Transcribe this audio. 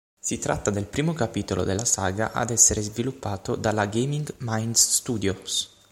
Si tratta del primo capitolo della saga ad essere sviluppato dalla Gaming Minds Studios.